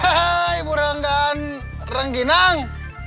hei ibu renggan rengginang